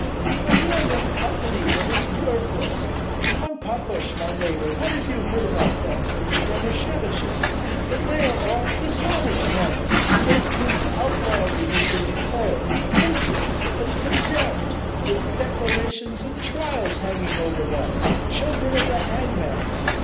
But he has a company that is worthless. Pan Pakosh, my neighbor, what have you heard about them from the Domasheviches? That they are all dishonored men, against whom outlawry has been declared, infamous and condemned, with declarations and trials hanging over them, children of the hangman.